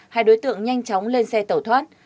hai đối tượng nhanh chóng lên xe tẩu thoát